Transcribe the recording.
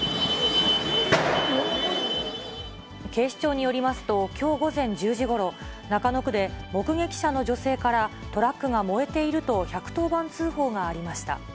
警視庁によりますと、きょう午前１０時ごろ、中野区で目撃者の女性から、トラックが燃えていると１１０番通報がありました。